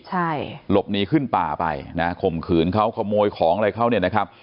ใช่หลบหนีขึ้นป่าไปนะข่มขืนเขาขโมยของอะไรเขาเนี่ยนะครับ